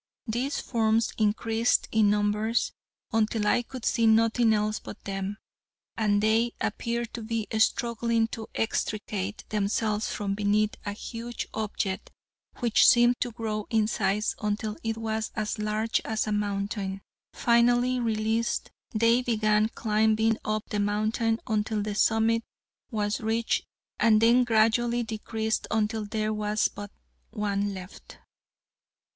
These forms increased in numbers until I could see nothing else but them, and they appeared to be struggling to extricate themselves from beneath a huge object which seemed to grow in size until it was as large as a mountain. Finally released, they began climbing up the mountain until the summit was reached and then gradually decreased until there was but one left.